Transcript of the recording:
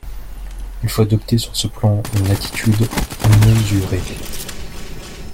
Il faut adopter sur ce plan une attitude mesurée.